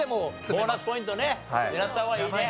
ボーナスポイントね狙った方がいいね。